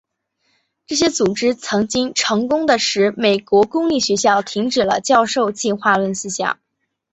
这些组织曾经成功地使美国公立学校停止教授进化论思想。